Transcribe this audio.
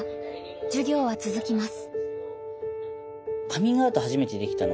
授業は続きます。